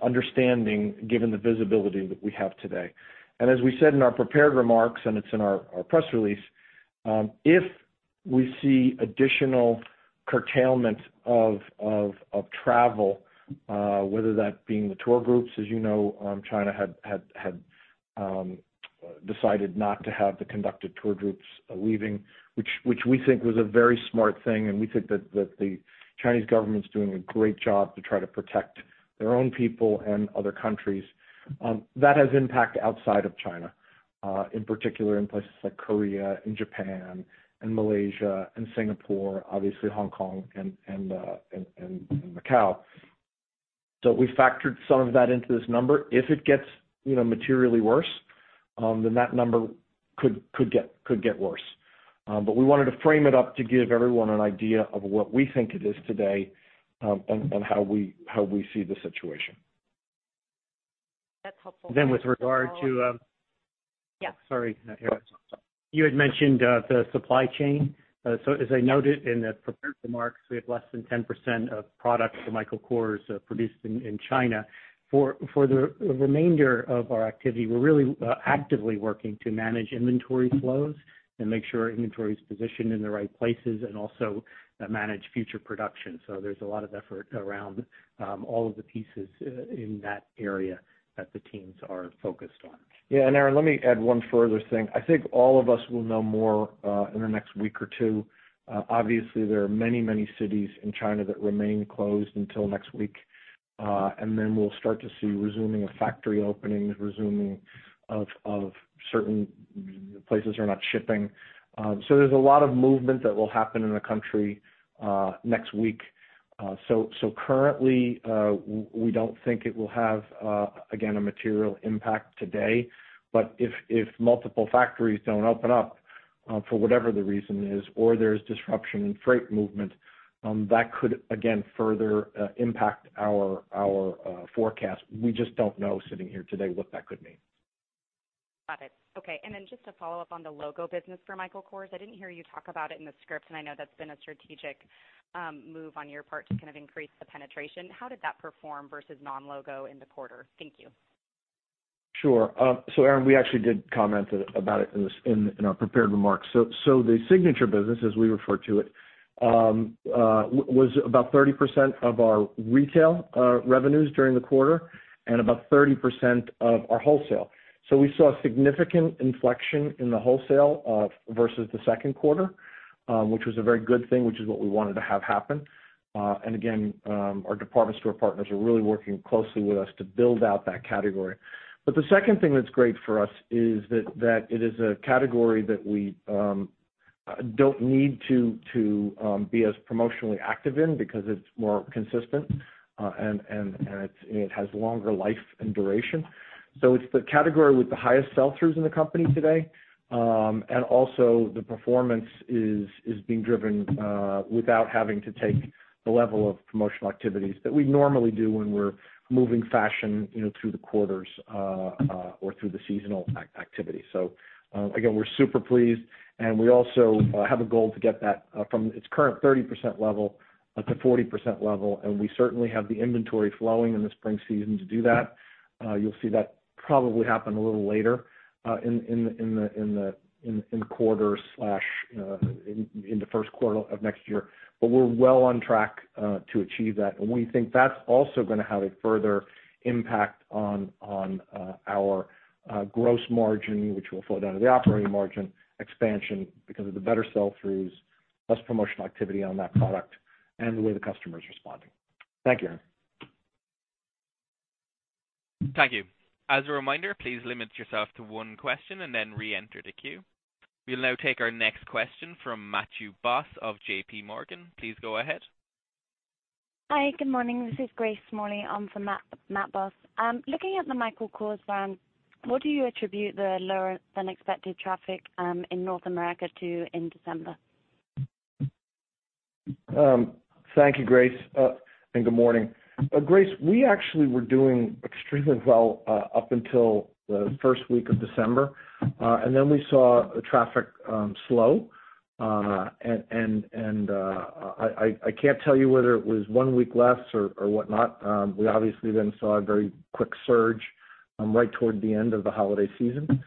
[SPEAKER 3] understanding, given the visibility that we have today. As we said in our prepared remarks, and it's in our press release, if we see additional curtailment of travel, whether that being the tour groups. As you know, China had decided not to have the conducted tour groups leaving, which we think was a very smart thing. We think that the Chinese government's doing a great job to try to protect their own people and other countries. That has impact outside of China, in particular in places like Korea and Japan and Malaysia and Singapore, obviously Hong Kong and Macau. We factored some of that into this number. If it gets materially worse, then that number could get worse. We wanted to frame it up to give everyone an idea of what we think it is today, and how we see the situation.
[SPEAKER 7] That's helpful.
[SPEAKER 4] Then with regard to-
[SPEAKER 7] Yeah.
[SPEAKER 4] Sorry, Erinn. You had mentioned the supply chain. As I noted in the prepared remarks, we have less than 10% of products for Michael Kors produced in China. For the remainder of our activity, we're really actively working to manage inventory flows and make sure inventory is positioned in the right places and also manage future production. There's a lot of effort around all of the pieces in that area that the teams are focused on.
[SPEAKER 3] Yeah. Erinn, let me add one further thing. I think all of us will know more in the next week or two. Obviously, there are many, many cities in China that remain closed until next week. Then we'll start to see resuming of factory openings, resuming of certain places are not shipping. There's a lot of movement that will happen in the country next week. Currently, we don't think it will have, again, a material impact today. If multiple factories don't open up for whatever the reason is, or there's disruption in freight movement, that could again, further impact our forecast. We just don't know sitting here today what that could mean.
[SPEAKER 7] Got it. Okay. Just to follow up on the logo business for Michael Kors, I didn't hear you talk about it in the script, and I know that's been a strategic move on your part to kind of increase the penetration. How did that perform versus non-logo in the quarter? Thank you.
[SPEAKER 3] Sure. Erinn, we actually did comment about it in our prepared remarks. The signature business, as we refer to it, was about 30% of our retail revenues during the quarter and about 30% of our wholesale. We saw significant inflection in the wholesale versus the second quarter, which was a very good thing, which is what we wanted to have happen. Again, our department store partners are really working closely with us to build out that category. The second thing that's great for us is that it is a category that we don't need to be as promotionally active in because it's more consistent, and it has longer life and duration. It's the category with the highest sell-throughs in the company today. Also the performance is being driven, without having to take the level of promotional activities that we normally do when we're moving fashion through the quarters or through the seasonal activity. Again, we're super pleased, and we also have a goal to get that from its current 30% level up to 40% level, and we certainly have the inventory flowing in the spring season to do that. You'll see that probably happen a little later in quarter slash in the first quarter of next year. We're well on track to achieve that, and we think that's also gonna have a further impact on our gross margin, which will flow down to the operating margin expansion because of the better sell-throughs, less promotional activity on that product, and the way the customer is responding. Thank you, Erinn.
[SPEAKER 1] Thank you. As a reminder, please limit yourself to one question and then reenter the queue. We'll now take our next question from Matthew Boss of JPMorgan. Please go ahead.
[SPEAKER 8] Hi. Good morning. This is Grace Smalley on for Matt Boss. Looking at the Michael Kors brand, what do you attribute the lower than expected traffic in North America to in December?
[SPEAKER 3] Thank you, Grace. Good morning. Grace, we actually were doing extremely well up until the first week of December. We saw traffic slow. I can't tell you whether it was one week less or whatnot. We obviously then saw a very quick surge right toward the end of the holiday season.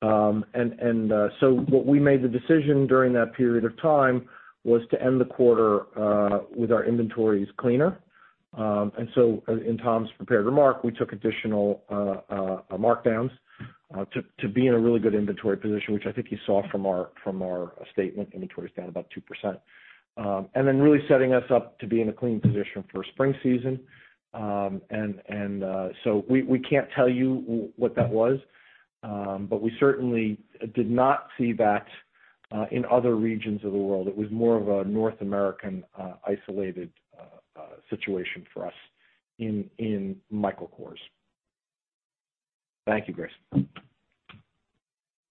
[SPEAKER 3] What we made the decision during that period of time was to end the quarter with our inventories cleaner. In Tom's prepared remark, we took additional markdowns to be in a really good inventory position, which I think you saw from our statement inventory is down about 2%. Really setting us up to be in a clean position for spring season. We can't tell you what that was, but we certainly did not see that in other regions of the world. It was more of a North American isolated situation for us in Michael Kors. Thank you, Grace.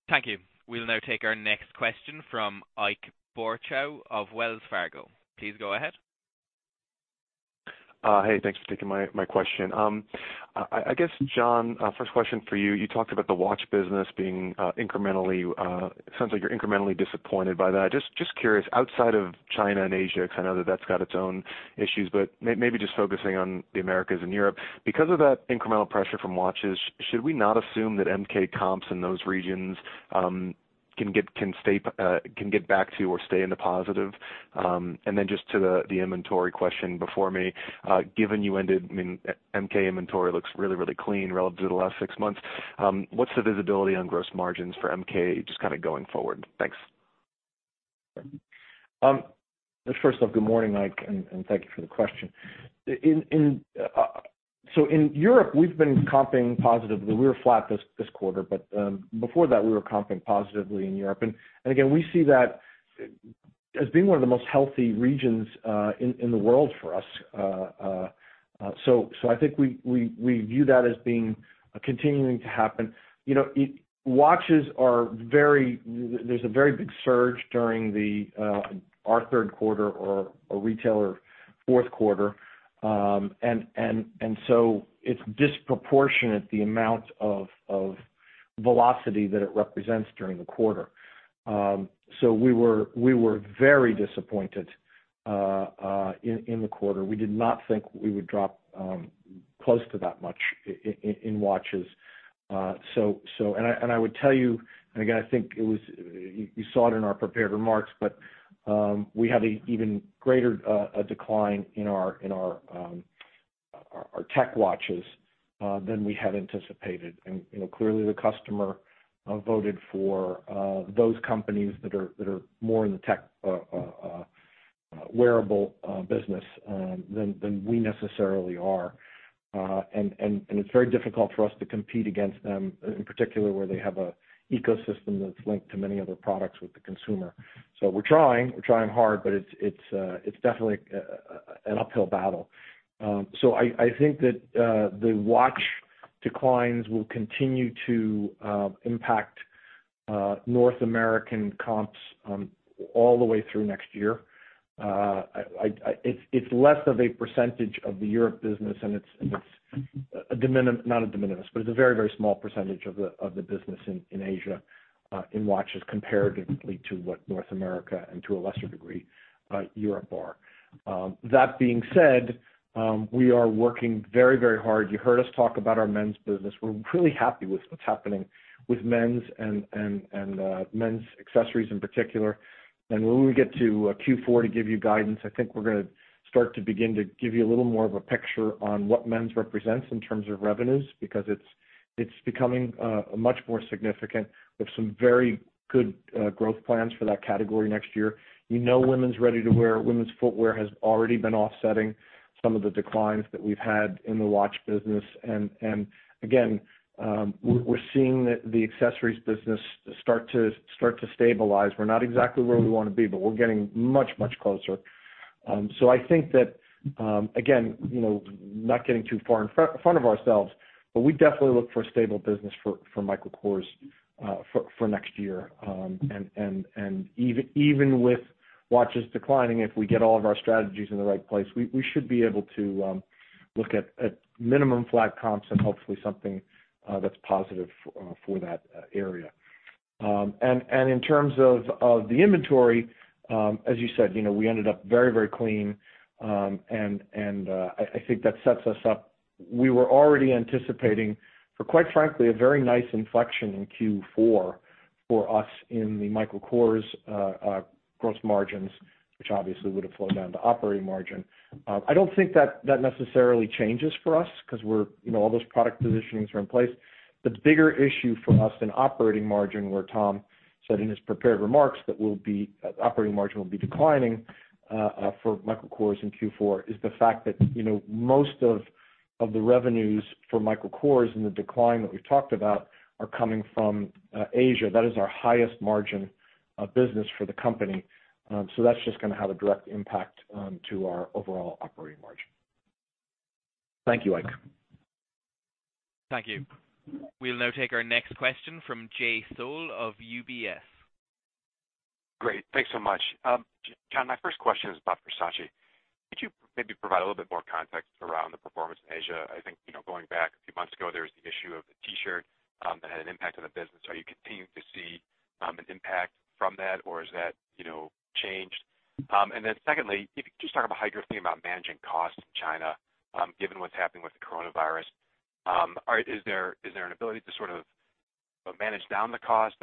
[SPEAKER 1] Thank you. We'll now take our next question from Ike Boruchow of Wells Fargo. Please go ahead.
[SPEAKER 9] Hey, thanks for taking my question. I guess, John, first question for you. You talked about the watch business. Sounds like you're incrementally disappointed by that. Just curious, outside of China and Asia, because I know that that's got its own issues, but maybe just focusing on the Americas and Europe, because of that incremental pressure from watches, should we not assume that MK comps in those regions can get back to or stay in the positive? Just to the inventory question before me, given you ended, MK inventory looks really, really clean relative to the last six months. What's the visibility on gross margins for MK just going forward? Thanks.
[SPEAKER 3] Good morning, Ike, thank you for the question. In Europe, we've been comping positively. We were flat this quarter, before that, we were comping positively in Europe. Again, we see that as being one of the most healthy regions in the world for us. I think we view that as continuing to happen. Watches, there's a very big surge during our third quarter or a retailer fourth quarter. It's disproportionate the amount of velocity that it represents during the quarter. We were very disappointed in the quarter. We did not think we would drop close to that much in watches. I would tell you, and again, I think you saw it in our prepared remarks, we had an even greater decline in our tech watches than we had anticipated. Clearly, the customer voted for those companies that are more in the tech wearable business than we necessarily are. It's very difficult for us to compete against them, in particular, where they have an ecosystem that's linked to many other products with the consumer. We're trying hard, but it's definitely an uphill battle. I think that the watch declines will continue to impact North American comps all the way through next year. It's less of a percentage of the Europe business and it's, not a de minimis, but it's a very small percentage of the business in Asia, in watches comparatively to what North America and to a lesser degree, Europe are. That being said, we are working very hard. You heard us talk about our men's business. We're really happy with what's happening with men's and men's accessories in particular. When we get to Q4 to give you guidance, I think we're going to start to begin to give you a little more of a picture on what men's represents in terms of revenues, because it's becoming much more significant. We have some very good growth plans for that category next year. You know women's ready-to-wear, women's footwear has already been offsetting some of the declines that we've had in the watch business. Again, we're seeing the accessories business start to stabilize. We're not exactly where we want to be, but we're getting much closer. I think that again, not getting too far in front of ourselves, but we definitely look for a stable business for Michael Kors for next year. Even with watches declining, if we get all of our strategies in the right place, we should be able to look at minimum flat comps and hopefully something that's positive for that area. In terms of the inventory, as you said, we ended up very clean. I think that sets us up. We were already anticipating for quite frankly, a very nice inflection in Q4 for us in the Michael Kors gross margins, which obviously would have flowed down to operating margin. I don't think that necessarily changes for us because all those product positionings are in place. The bigger issue for us in operating margin, where Tom said in his prepared remarks that operating margin will be declining for Michael Kors in Q4, is the fact that most of the revenues for Michael Kors and the decline that we've talked about are coming from Asia. That is our highest margin business for the company. That's just going to have a direct impact on our overall operating margin. Thank you, Ike.
[SPEAKER 1] Thank you. We'll now take our next question from Jay Sole of UBS.
[SPEAKER 10] Great. Thanks so much. John, my first question is about Versace. Could you maybe provide a little bit more context around the performance in Asia? I think going back a few months ago, there was the issue of the t-shirt that had an impact on the business. Are you continuing to see an impact from that? Or has that changed? Secondly, if you could just talk about how you're thinking about managing costs in China, given what's happening with the coronavirus. Is there an ability to sort of manage down the cost?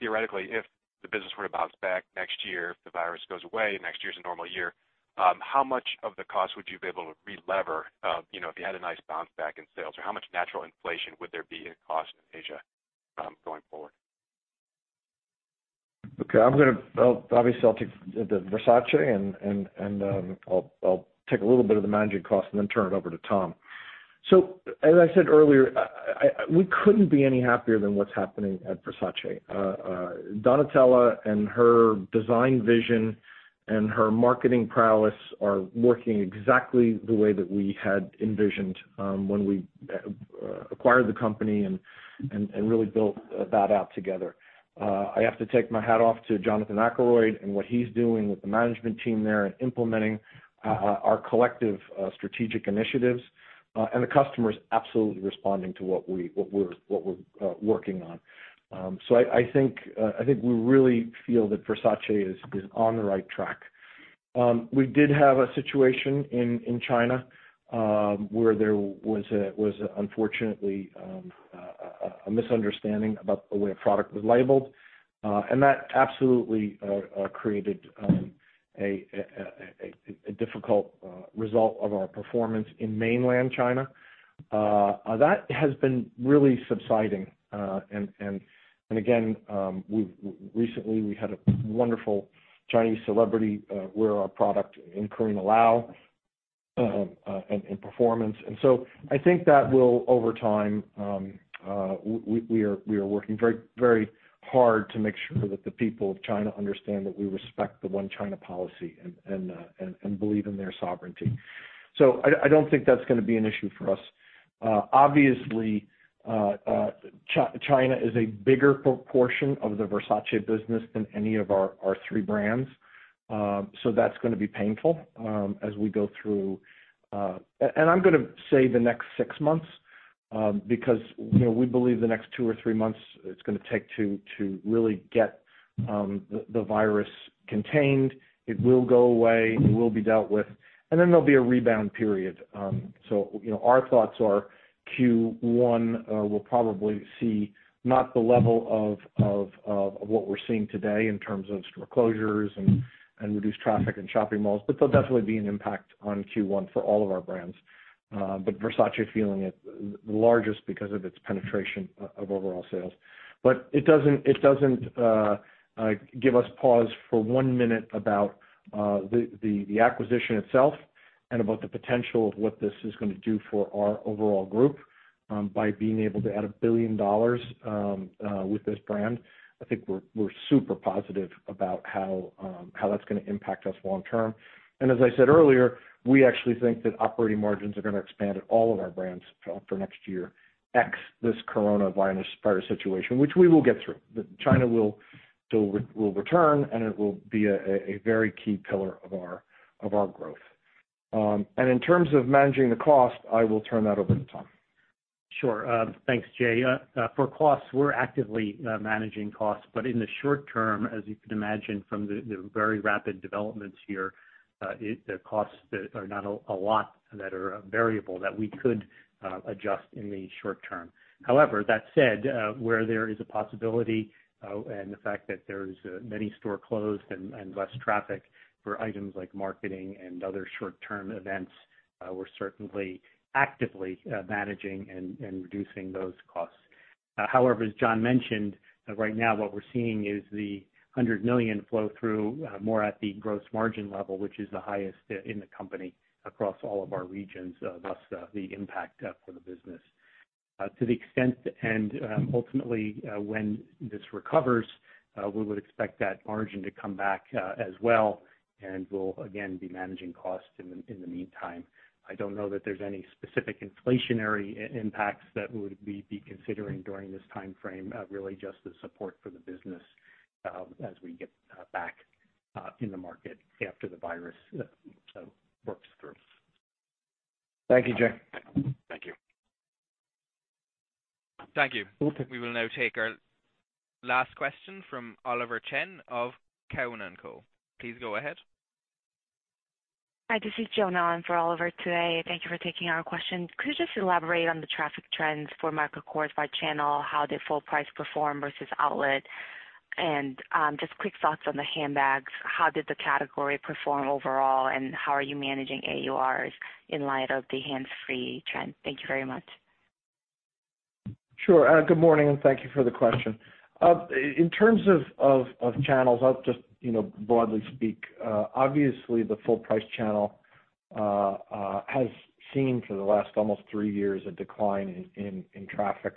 [SPEAKER 10] Theoretically, if the business were to bounce back next year, if the virus goes away and next year is a normal year, how much of the cost would you be able to relever if you had a nice bounce back in sales? How much natural inflation would there be in cost in Asia going forward?
[SPEAKER 3] Okay. Obviously, I'll take the Versace and I'll take a little bit of the managing cost and then turn it over to Tom. As I said earlier, we couldn't be any happier than what's happening at Versace. Donatella and her design vision and her marketing prowess are working exactly the way that we had envisioned when we acquired the company and really built that out together. I have to take my hat off to Jonathan Akeroyd and what he's doing with the management team there in implementing our collective strategic initiatives. The customer is absolutely responding to what we're working on. I think we really feel that Versace is on the right track. We did have a situation in China, where there was unfortunately, a misunderstanding about the way a product was labeled. That absolutely created a difficult result of our performance in mainland China. That has been really subsiding. Again, recently we had a wonderful Chinese celebrity wear our product in Karen Millen and performance. I think that will, over time, we are working very hard to make sure that the people of China understand that we respect the one China policy and believe in their sovereignty. I don't think that's going to be an issue for us. Obviously, China is a bigger proportion of the Versace business than any of our three brands. That's going to be painful as we go through. I'm going to say the next six months, because we believe the next two or three months, it's going to take to really get the virus contained. It will go away, it will be dealt with, and then there'll be a rebound period. Our thoughts are Q1, we'll probably see not the level of what we're seeing today in terms of store closures and reduced traffic in shopping malls, but there'll definitely be an impact on Q1 for all of our brands. Versace feeling it the largest because of its penetration of overall sales. It doesn't give us pause for one minute about the acquisition itself and about the potential of what this is going to do for our overall group by being able to add $1 billion with this brand. I think we're super positive about how that's going to impact us long term. As I said earlier, we actually think that operating margins are going to expand at all of our brands for next year, ex this coronavirus situation, which we will get through. China will return, and it will be a very key pillar of our growth. In terms of managing the cost, I will turn that over to Tom.
[SPEAKER 4] Sure. Thanks, Jay. For costs, we're actively managing costs. In the short term, as you can imagine from the very rapid developments here, the costs are not a lot that are variable that we could adjust in the short term. That said, where there is a possibility and the fact that there are many stores closed and less traffic for items like marketing and other short-term events, we're certainly actively managing and reducing those costs. As John mentioned, right now what we're seeing is the $100 million flow through more at the gross margin level, which is the highest in the company across all of our regions, thus the impact for the business. To the extent and ultimately when this recovers, we would expect that margin to come back as well, and we'll again be managing costs in the meantime. I don't know that there's any specific inflationary impacts that we would be considering during this time frame, really just the support for the business as we get back in the market after the virus works through.
[SPEAKER 3] Thank you, Jay.
[SPEAKER 10] Thank you.
[SPEAKER 1] Thank you. We will now take our last question from Oliver Chen of Cowen and Company. Please go ahead.
[SPEAKER 11] Hi, this is Joan on for Oliver today. Thank you for taking our question. Could you just elaborate on the traffic trends for Michael Kors by channel? How did full price perform versus outlet? Just quick thoughts on the handbags. How did the category perform overall, and how are you managing AURs in light of the hands-free trend? Thank you very much.
[SPEAKER 3] Sure. Good morning, and thank you for the question. In terms of channels, I'll just broadly speak. Obviously, the full price channel has seen for the last almost three years a decline in traffic.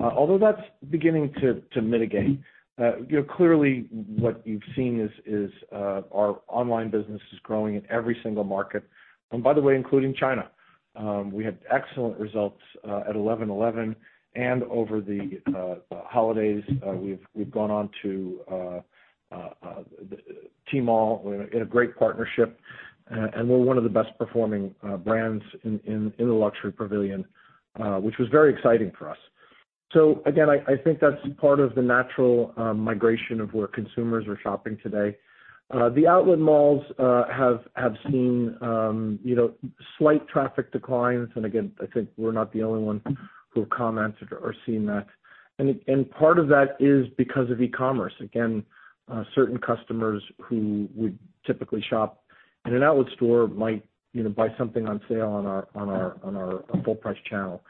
[SPEAKER 3] Although that's beginning to mitigate. Clearly what you've seen is our online business is growing in every single market, and by the way, including China. We had excellent results at 11.11 and over the holidays. We've gone on to Tmall in a great partnership, we're one of the best-performing brands in the luxury pavilion, which was very exciting for us. Again, I think that's part of the natural migration of where consumers are shopping today. The outlet malls have seen slight traffic declines. Again, I think we're not the only ones who have commented or seen that. Part of that is because of e-commerce. Certain customers who would typically shop in an outlet store might buy something on sale on our full-price channel.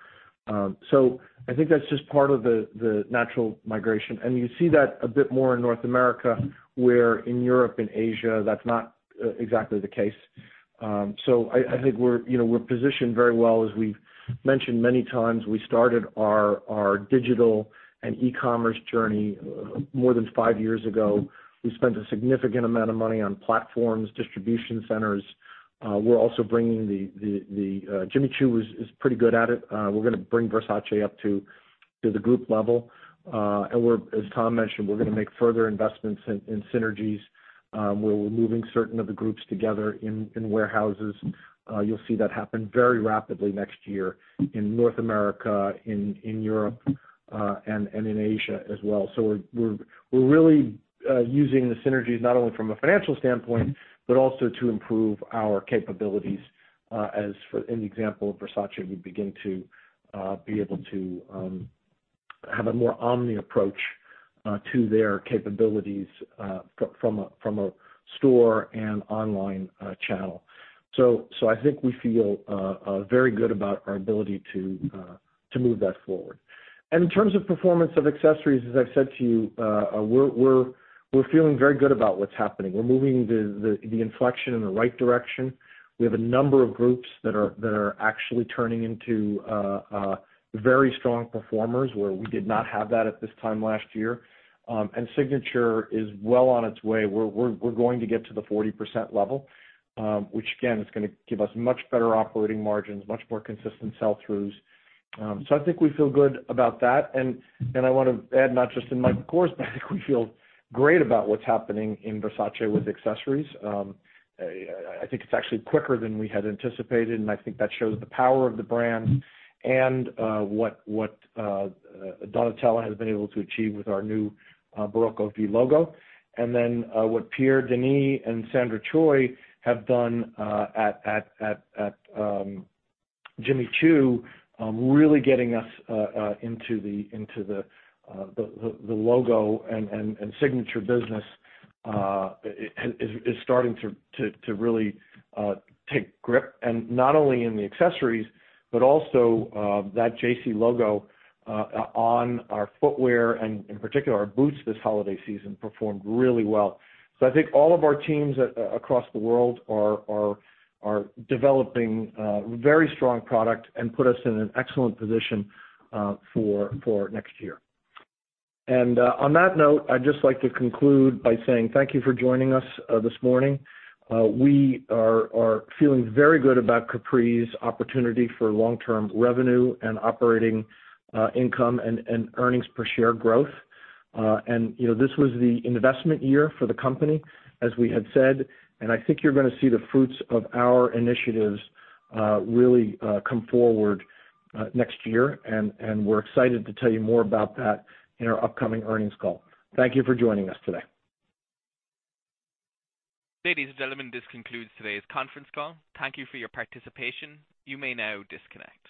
[SPEAKER 3] I think that's just part of the natural migration. You see that a bit more in North America, where in Europe and Asia, that's not exactly the case. I think we're positioned very well. As we've mentioned many times, we started our digital and e-commerce journey more than five years ago. We spent a significant amount of money on platforms, distribution centers. We're also bringing Jimmy Choo is pretty good at it. We're going to bring Versace up to the group level. As Tom mentioned, we're going to make further investments in synergies. We're moving certain of the groups together in warehouses. You'll see that happen very rapidly next year in North America, in Europe, and in Asia as well. We're really using the synergies not only from a financial standpoint, but also to improve our capabilities. As for an example of Versace, we begin to be able to have a more omni approach to their capabilities from a store and online channel. I think we feel very good about our ability to move that forward. In terms of performance of accessories, as I've said to you, we're feeling very good about what's happening. We're moving the inflection in the right direction. We have a number of groups that are actually turning into very strong performers, where we did not have that at this time last year. Signature is well on its way. We're going to get to the 40% level. Which again, is going to give us much better operating margins, much more consistent sell-throughs. I think we feel good about that, and I want to add, not just in Michael Kors, but I think we feel great about what's happening in Versace with accessories. I think it's actually quicker than we had anticipated, and I think that shows the power of the brand and what Donatella has been able to achieve with our new Barocco V logo. What Pierre Denis and Sandra Choi have done at Jimmy Choo, really getting us into the logo and signature business, is starting to really take grip. Not only in the accessories, but also that JC logo on our footwear and in particular, our boots this holiday season performed really well. I think all of our teams across the world are developing very strong product and put us in an excellent position for next year. On that note, I'd just like to conclude by saying thank you for joining us this morning. We are feeling very good about Capri's opportunity for long-term revenue and operating income and earnings per share growth. This was the investment year for the company, as we had said. I think you're going to see the fruits of our initiatives really come forward next year, and we're excited to tell you more about that in our upcoming earnings call. Thank you for joining us today.
[SPEAKER 1] Ladies and gentlemen, this concludes today's conference call. Thank you for your participation. You may now disconnect.